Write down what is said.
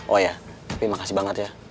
oh ya terima kasih banget ya